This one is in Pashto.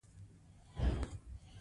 شه دا د خوشحال خان لېسې زده کوونکی دی.